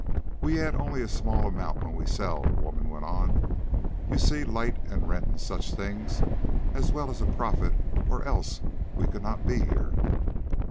"We add only a small amount when we sell," the woman went on; "you see, light and rent and such things, as well as a profit or else we could not be here."